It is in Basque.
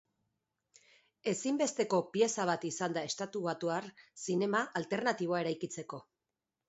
Ezinbesteko pieza izan da estatubatuar zinema alternatiboa eraikitzeko.